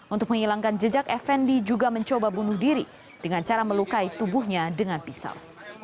untuk menghilangkan jejak effendi juga mencoba bunuh diri dengan cara melukai tubuhnya dengan pisau